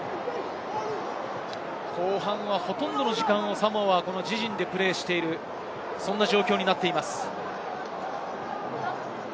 後半は、ほとんどの時間をサモアは自陣でプレーしている、そんな状況になっています。